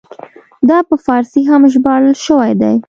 دا په فارسي هم ژباړل شوی دی.